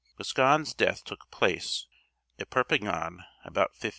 Boscan's death took place at Perpignan about 1540.